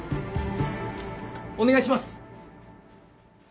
お願いします！